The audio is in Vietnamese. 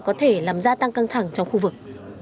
có thể làm gia tăng căng thẳng trong khu vực